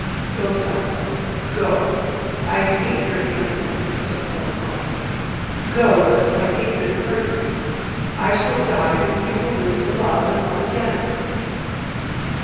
Go Sappho, go I hate your hands that beat so full of life, Go, lest my hatred hurt you. I shall die, But you will live to love and love again.